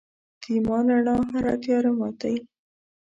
د ایمان رڼا هره تیاره ماتي.